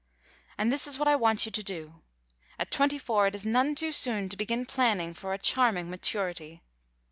And this is what I want you to do. At twenty four it is none too soon to begin planning for a charming maturity.